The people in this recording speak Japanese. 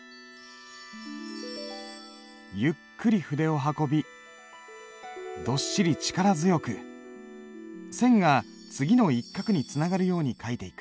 ゆっくり筆を運びどっしり力強く線が次の一画につながるように書いていく。